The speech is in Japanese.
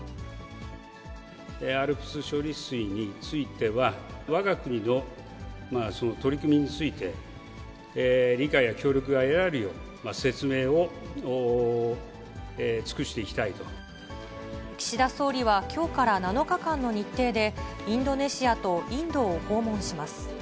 ＡＬＰＳ処理水については、わが国の取り組みについて、理解や協力が得られるよう、岸田総理はきょうから７日間の日程で、インドネシアとインドを訪問します。